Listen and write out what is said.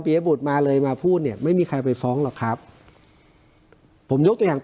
ยบุตรมาเลยมาพูดเนี่ยไม่มีใครไปฟ้องหรอกครับผมยกตัวอย่าง